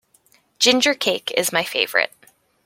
Ginger cake is my favourite.